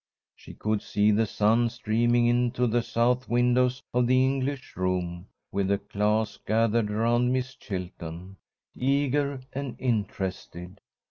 She could see the sun streaming into the south windows of the English room, with the class gathered around Miss Chilton, eager and interested.